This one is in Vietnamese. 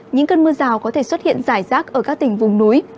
những cơn mưa rào có thể xuất hiện rải rác ở các tỉnh vùng núi